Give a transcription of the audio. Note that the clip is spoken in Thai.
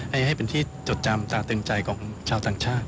ให้เป็นที่จดจำจากตึงใจของชาวต่างชาติ